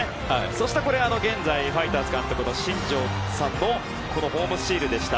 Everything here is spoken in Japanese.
そして現在ファイターズ監督の新庄さんのホームスチールでした。